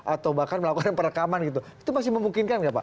atau bahkan melakukan perekaman gitu itu masih memungkinkan nggak pak